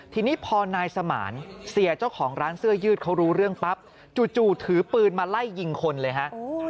ทีนี้พอนายสมานเสียเจ้าของร้านเสื้อยืดเขารู้เรื่องปั๊บจู่ถือปืนมาไล่ยิงคนเลยฮะ